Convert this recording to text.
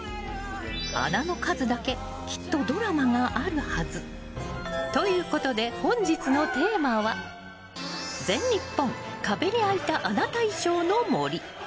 穴の数だけきっとドラマがあるはず。ということで本日のテーマは全日本壁に開いた穴大賞の森。